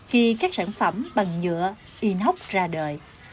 khi các sản phẩm bằng nhựa inox ra đời